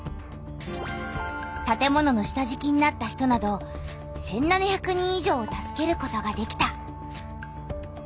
たて物の下じきになった人など１７００人以上を助けることができた。